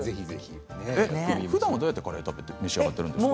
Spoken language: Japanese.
ふだんはどうやってカレーを召し上がっているんですか？